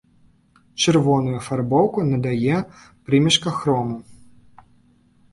Чырвоную афарбоўку надае прымешка хрому.